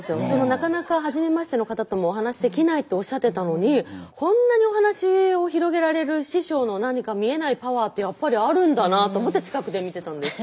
なかなかはじめましての方ともお話できないっておっしゃってたのにこんなにお話を広げられる師匠の何か見えないパワーってやっぱりあるんだなと思って近くで見てたんです。